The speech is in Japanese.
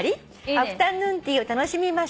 「アフタヌーンティーを楽しみました」